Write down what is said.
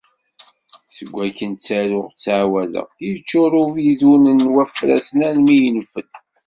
Seg wakken taruɣ ttɛawadeɣ, yeččur ubidun n wafrasen almi yenfel.